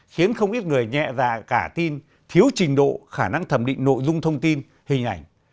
khiến không ít người nhẹ dạ cả tin thiếu trình độ khả năng thẩm định nội dung thông tin hình ảnh